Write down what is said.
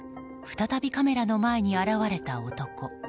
再びカメラの前に現れた男。